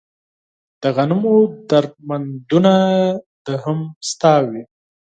د غنمو درمندونه دې هم ستا وي